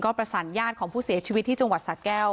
ประสานญาติของผู้เสียชีวิตที่จังหวัดสะแก้ว